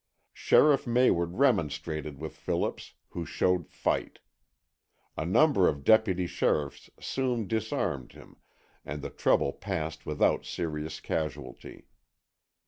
Sheriff Mayward remonstrated with Phillips, who showed fight. A number of deputy sheriffs soon disarmed him and the trouble passed without serious casualty.